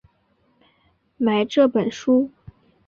买这本书